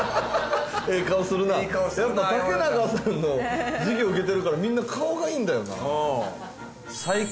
笑みがやっぱ竹中さんの授業受けてるからみんな顔がいいんだよな